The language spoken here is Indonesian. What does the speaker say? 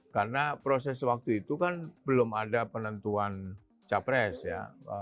karena proses waktu itu kan belum ada penentuan capres ya